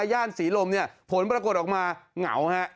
ย่านศรีลมเนี่ยผลปรากฏออกมาเหงาฮะ